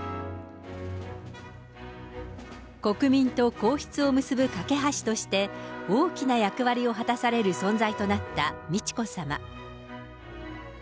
国民と皇室を結ぶ懸け橋として、大きな役割を果たされる存在となった美智子さま。